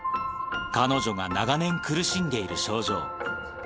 彼女が長年、苦しんでいる症状。